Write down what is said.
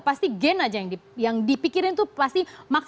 pasti gen aja yang dipikirin itu pasti